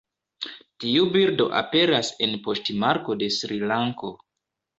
Tiu birdo aperas en poŝtmarko de Srilanko.